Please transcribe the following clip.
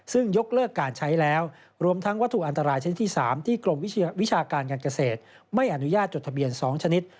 ซึ่งยกเลิกการใช้แล้วรวมทั้งวัตถุอันตรายชนิดที่๓ที่กรมวิชาการการเกษตรไม่อนุญาตจดทะเบียน๒ชนิด